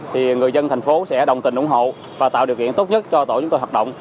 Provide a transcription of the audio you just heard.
thì người dân thành phố sẽ đồng tình ủng hộ và tạo điều kiện tốt nhất cho tổ chúng tôi hoạt động